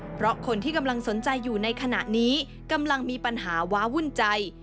เพราะคนที่กำลังสนใจอยู่ในขณะนี้กำลังมีปัญหาว้าวุ่นใจ